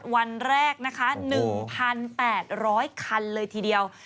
วันแรกนะคะ๑๘๐๐คันเลยทีเดียว